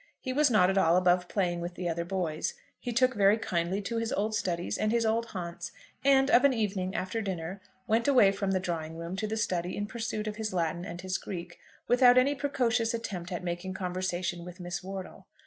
He was not at all above playing with the other boys. He took very kindly to his old studies and his old haunts, and of an evening, after dinner, went away from the drawing room to the study in pursuit of his Latin and his Greek, without any precocious attempt at making conversation with Miss Wortle.